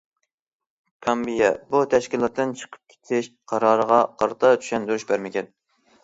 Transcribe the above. گامبىيە بۇ تەشكىلاتتىن چىقىپ كېتىش قارارىغا قارىتا چۈشەندۈرۈش بەرمىگەن.